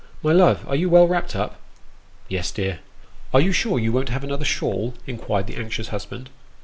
My love, are you well wrapped up ?"" Yes, dear." " Are you sure you won't have another shawl ?" inquired the anxious husband.